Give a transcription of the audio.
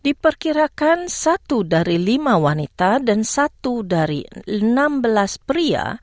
diperkirakan satu dari lima wanita dan satu dari enam belas pria